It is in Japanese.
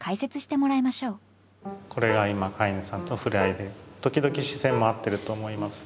これが今飼い主さんとの触れ合いで時々視線も合ってると思います。